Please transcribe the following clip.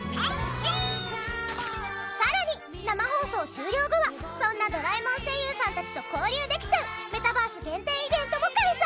更に、生放送終了後はそんな「ドラえもん」声優さんたちと交流できちゃうメタバース限定イベントも開催。